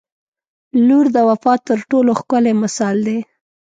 • لور د وفا تر ټولو ښکلی مثال دی.